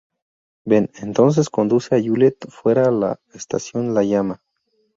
Ben entonces conduce a Juliet fuera a la estación La Llama.